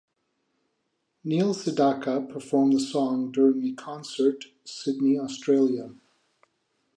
Neil Sedaka performed the song during a concert Sydney, Australia.